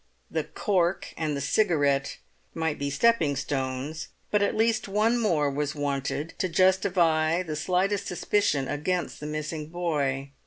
The cork and the cigarette might be stepping stones, but at least one more was wanted to justify the slightest suspicion against the missing boy.